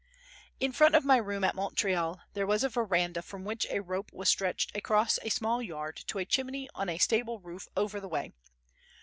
In front of my room at Montreal there was a verandah from which a rope was stretched across a small yard to a chimney on a stable roof over the way.